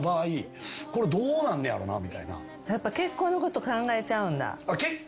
やっぱ結婚のこと考えちゃうんだ。